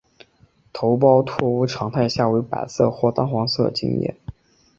头孢唑肟常态下为白色或淡黄色结晶。